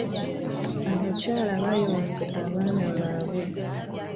Abakyala bayonse abaana baabwe.